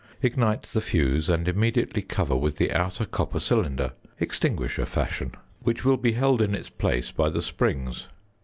Ignite the fuse and immediately cover with the outer copper cylinder (extinguisher fashion), which will be held in its place by the springs.